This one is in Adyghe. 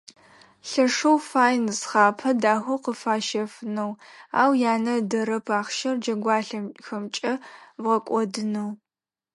Лъэшэу фай нысхъапэ дахэ къыфащэфынэу, ау янэ ыдэрэп ахъщэр джэгуалъэхэмкӏэ бгъэкӏодынэу.